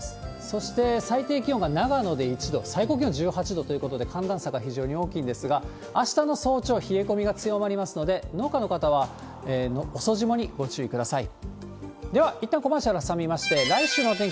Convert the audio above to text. そして最低気温が長野で１度、最高気温１８度ということで、寒暖差が非常に大きいんですが、あしたの早朝、冷え込みが強まりますので、農家の方は遅霜にご注意ください。